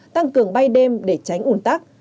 tăng cường bay đêm để tránh ủn tắc